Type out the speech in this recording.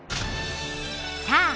さあ